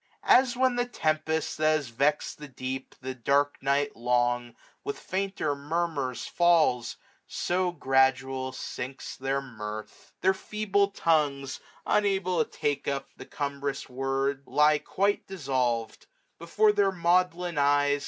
As when the tempest^ that has vex'd the deep 550 The dark night long, with fainter murmurs falls : So gfftdual sinks their mirth. Their feeble tongues. Unable to take up the cumbrous word. Lie quite dissolved. Before their maudlin eyes.